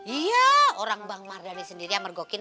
iya orang bang mardhani sendiri yang mergokin